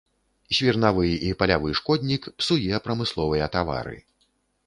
Свірнавы і палявы шкоднік, псуе прамысловыя тавары.